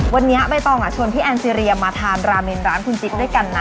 วันนี้ไปต่อเถอะอ่ะชวนพี่แอนด์มาทานร้านกับคุณจิ๊บด้วยกันนะ